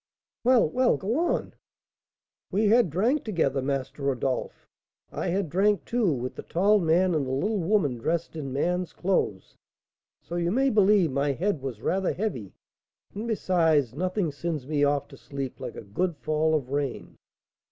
"Well, well, go on." "We had drank together, Master Rodolph; I had drank, too, with the tall man and the little woman dressed in man's clothes, so you may believe my head was rather heavy, and, besides, nothing sends me off to sleep like a good fall of rain.